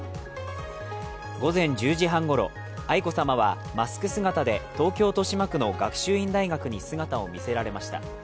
午前１０時半ごろ愛子さまはマスク姿で東京・豊島区の学習院大学に姿を見せられました。